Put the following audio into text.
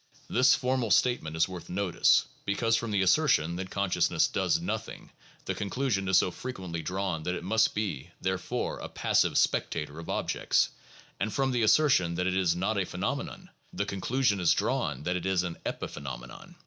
This formal statement is worth notice, because from the assertion that consciousness does nothing, the conclusion is so frequently drawn that it must be, therefore, a passive spectator of objects, and from the assertion that it is not a phenomenon, the conclusion is drawn that it is an epiphe nomenon.